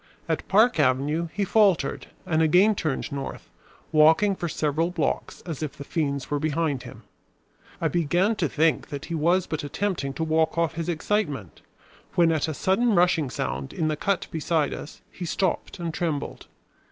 At Park Avenue he faltered and again turned north, walking for several blocks as if the fiends were behind him. I began to think that he was but attempting to walk off his excitement, when, at a sudden rushing sound in the cut beside us, he stopped and trembled.